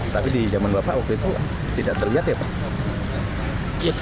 tapi di zaman bapak waktu itu tidak terlihat ya pak